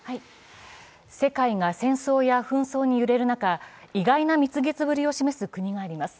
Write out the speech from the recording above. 世界が戦争や紛争に揺れる中、意外な蜜月ぶりを見せる国があります。